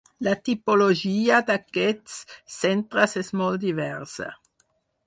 La tipologia d’aquests centres és molt diversa.